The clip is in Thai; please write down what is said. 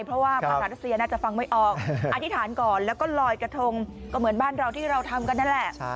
เพราะว่าภาษารัสเซียน่าจะฟังไม่ออกอธิษฐานก่อนแล้วก็ลอยกระทงก็เหมือนบ้านเราที่เราทำกันนั่นแหละ